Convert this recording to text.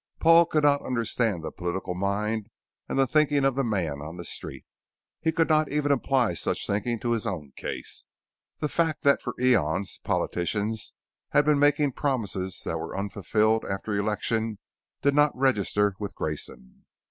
Paul could not understand the political mind and the thinking of the man on the street. He could not even apply such thinking to his own case. The fact that for eons, politicians have been making promises that were unfulfilled after election did not register with Grayson.